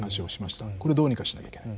これどうにかしなきゃいけない。